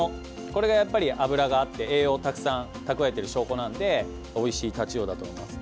これがやっぱり脂があって栄養をたくさん蓄えている証拠なんでおいしいタチウオだと思います。